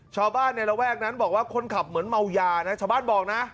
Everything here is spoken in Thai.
ชาวบ้านในระแวกนั้นบอกว่าคนขับเหมือนเมายานะชาวบ้านบอกนะ